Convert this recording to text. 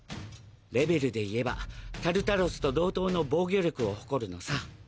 レベルで言えばタルタロスと同等の防御力を誇るのさ。